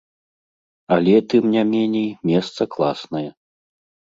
Але, тым не меней, месца класнае.